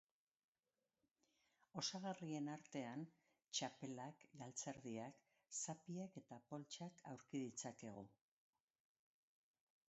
Osagarrien artean, txapelak, galtzerdiak, zapiak eta poltsak aurki ditzakegu.